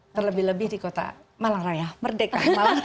terlebih lebih di kota malang raya merdeka